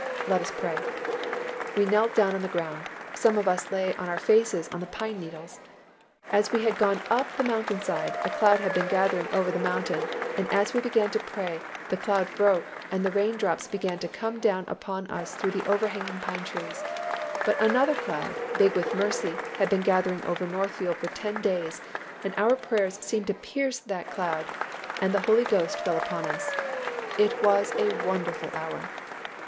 Let us pray." We knelt down on the ground; some of us lay on our faces on the pine needles. As we had gone up the mountainside, a cloud had been gathering over the mountain, and as we began to pray the cloud broke and the rain drops began to come down upon us through the overhanging pine trees, but another cloud, big with mercy, had been gathering over Northfield for ten days and our prayers seemed to pierce that cloud and the Holy Ghost fell upon us. It was a wonderful hour.